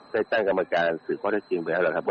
ได้ตั้งกรรมการศึกข้อแต่จริงไปแล้วครับ